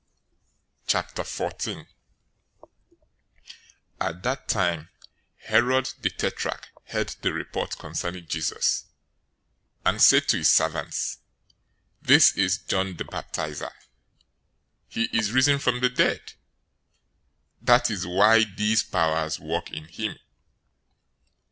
014:001 At that time, Herod the tetrarch heard the report concerning Jesus, 014:002 and said to his servants, "This is John the Baptizer. He is risen from the dead. That is why these powers work in him."